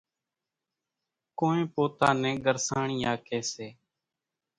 ڪونئين پوتا نين ڳرسانڻِيا ڪيَ سي۔